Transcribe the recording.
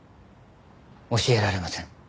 教えられません。